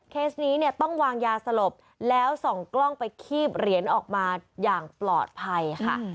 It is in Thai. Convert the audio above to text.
นี้เนี่ยต้องวางยาสลบแล้วส่องกล้องไปคีบเหรียญออกมาอย่างปลอดภัยค่ะ